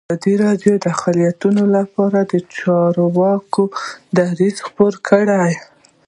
ازادي راډیو د اقلیتونه لپاره د چارواکو دریځ خپور کړی.